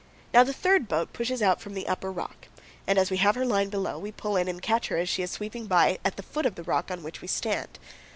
Now the third boat pushes out from the upper rock, and, as we have her line below, we pull in and catch her as she is sweeping by at the foot of the rock on which we stand.